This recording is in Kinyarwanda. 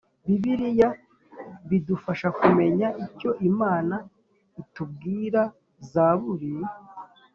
Bibiliya bidufasha kumenya icyo Imana itubwira Zaburi